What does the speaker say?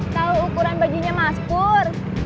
tau ukuran bajunya mas pur